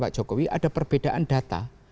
pak jokowi ada perbedaan data